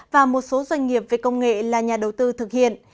và một số doanh nghiệp về công nghệ là nhà đầu tư thực hiện